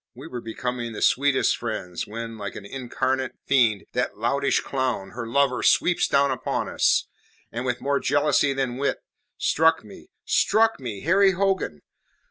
We were becoming the sweetest friends, when, like an incarnate fiend, that loutish clown, her lover, sweeps down upon us, and, with more jealousy than wit, struck me struck me, Harry Hogan!